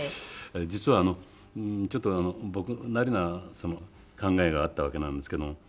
実はちょっと僕なりな考えがあったわけなんですけども。